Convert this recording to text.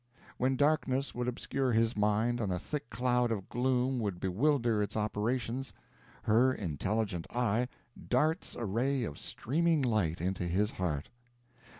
When darkness would obscure his mind, and a thick cloud of gloom would bewilder its operations, her intelligent eye darts a ray of streaming light into his heart.